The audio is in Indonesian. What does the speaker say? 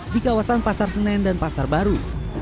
di kawasan pasar senen dan pasar baru